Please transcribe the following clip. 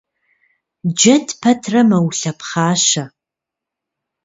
Джэд пэтрэ мэулъэпхъащэ.